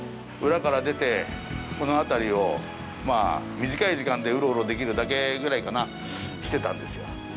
裏から出て、この辺りを、まあ、短い時間でうろうろできるだけぐらいかな、してたんですよ。